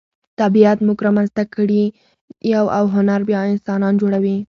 طبیعت موږ را منځته کړي یو او هنر بیا انسانان جوړوي.